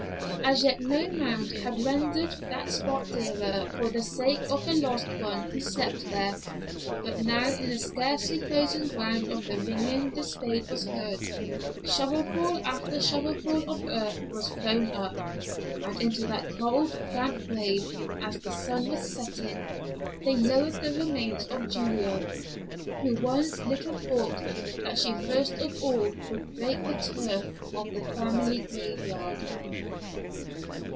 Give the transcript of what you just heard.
As yet no mound had rendered that spot dearer for the sake of the lost one who slept there, but now in the scarcely frozen ground the ringing of the spade was heard; shovelful after shovelful of earth was thrown up, and into that cold, damp grave, as the sun was setting, they lowered the remains of Julia, who once little thought that she first of all would break the turf of the family graveyard.